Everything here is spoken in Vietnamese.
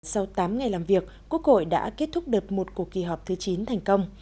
sau tám ngày làm việc quốc hội đã kết thúc đợt một của kỳ họp thứ chín thành công